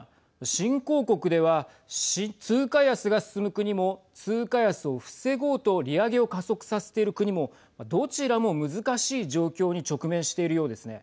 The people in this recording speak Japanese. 新興国では、通貨安が進む国も通貨安を防ごうと利上げを加速させている国もどちらも難しい状況に直面しているようですね。